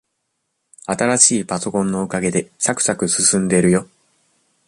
新しいパソコンのおかげで、さくさく進んでるよ。